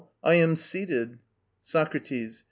I am seated. SOCRATES.